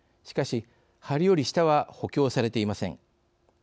しかし、はりより下は補強されていません。